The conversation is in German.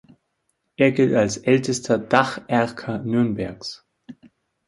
Er gilt als ältester Dacherker Nürnbergs.